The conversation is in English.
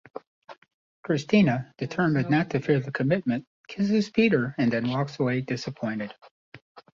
Christina, determined not to fear the commitment, kisses Peter and then walks away disappointed.